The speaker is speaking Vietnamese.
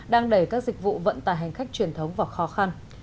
đang đẩy các dịch vụ vận tải hành khách truyền thống vào khó khăn